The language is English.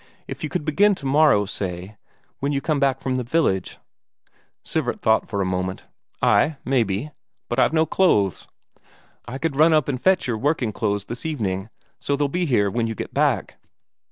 If you could begin tomorrow, say, when you come back from the village?" Sivert thought for a moment. "Ay, maybe. But I've no clothes." "I could run up and fetch your working clothes this evening, so they'll be here when you get back."